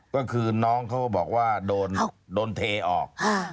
ก็คือน้องเขาก็บอกว่าโดนเทออก